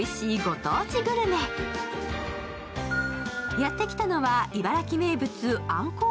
やってきたのは茨城名物あんこう